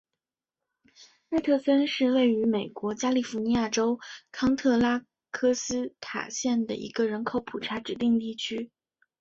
奈特森是位于美国加利福尼亚州康特拉科斯塔县的一个人口普查指定地区。